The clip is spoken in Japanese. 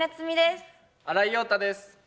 新井庸太です。